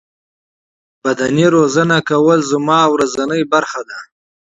ورزش کول زما ورځنۍ برخه ده.